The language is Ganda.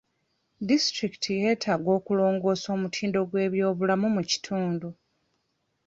Disitulikiti yeetaaga okulongoosa omutindo gw'ebyobulamu mu kitundu.